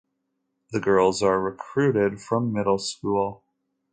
The girls are recruited from middle school.